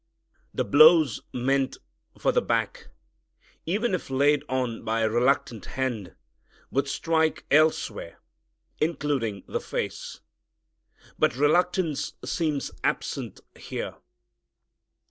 The blows meant for the back, even if laid on by a reluctant hand, would strike elsewhere, including the face. But reluctance seems absent here.